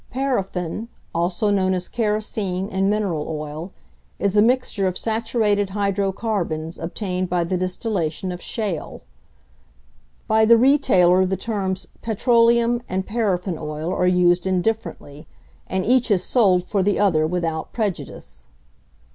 =Paraffin=, also known as kerosene and mineral oil, is a mixture of saturated hydrocarbons obtained by the distillation of shale. By the retailer the terms 'petroleum' and 'paraffin' oil are used indifferently, and each is sold for the other without prejudice.